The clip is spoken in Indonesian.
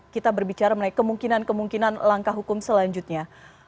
kita berbicara mengenai kemungkinan kemungkinan langkah hukum selanjutnya